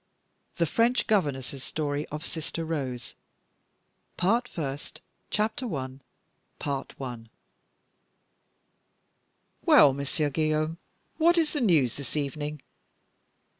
THE FRENCH GOVERNESS'S STORY OF SISTER ROSE. PART FIRST. CHAPTER I. "Well, Monsieur Guillaume, what is the news this evening?"